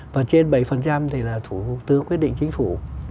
và trên bảy thì là thủ tướng quyết định chính phủ